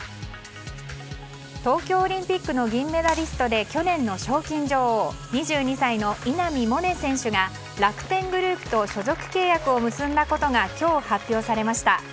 東京オリンピックの銀メダリストで去年の賞金女王２２歳の稲見萌寧選手が楽天グループと所属契約を結んだことが今日、発表されました。